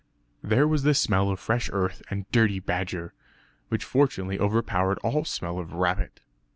There was a smell of fresh earth and dirty badger, which fortunately overpowered all smell of rabbit.